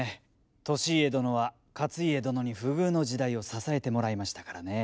利家殿は勝家殿に不遇の時代を支えてもらいましたからね。